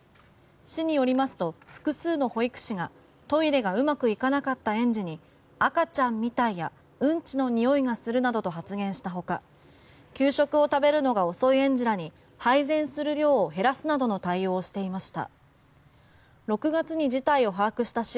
市によりますと複数の保育士がトイレがうまくいかなかった園児に赤ちゃんみたいやうんちのにおいがするなどと発言したほか給食を食べるのが遅い園児らに配膳する量を減らすなどの対応をしていました。